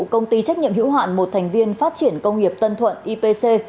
công ty trách nhiệm hữu hạn một thành viên phát triển công nghiệp tân thuận ipc